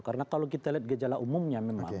karena kalau kita lihat gejala umumnya memang